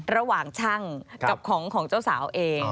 ระหว่างช่างกับของเจ้าสาวเอง